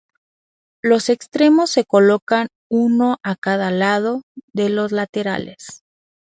Los extremos se colocan uno a cada lado de los laterales.